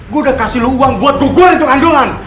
gua udah kasih lu uang buat gugurin kandungan